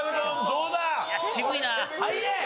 どうだ？